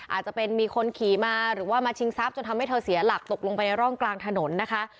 อาจจะเป็นคนขี่มาหรือว่ามาชิงทรัพย์จนทำให้เธอเสียหลักตกลงไปในร่องกลางถนนนะคะ